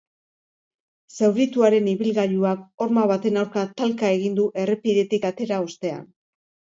Zaurituaren ibilgailuak horma baten aurka talka egin du errepidetik atera ostean.